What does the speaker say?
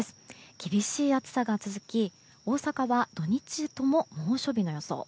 厳しい暑さが続き大阪は土日とも猛暑日の予想。